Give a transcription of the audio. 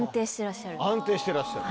安定してらっしゃる。